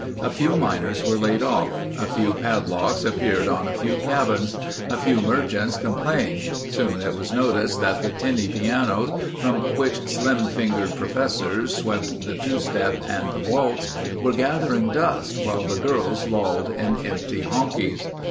A few miners were laid off; a few padlocks appeared on a few cabins; a few merchants complained. Soon it was noticed that the tinny pianos from which slim fingered "professors" swept the two step and the waltz were gathering dust while the girls lolled in empty honkies.